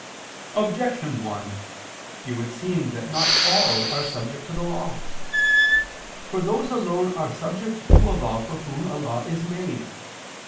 Objection 1: It would seem that not all are subject to the law. For those alone are subject to a law for whom a law is made.